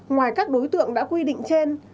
ngoài các đối tượng đã quy định trên